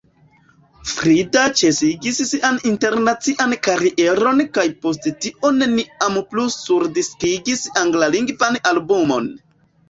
Frida ĉesigis sian internacian karieron kaj post tio neniam plu surdiskigis anglalingvan albumon.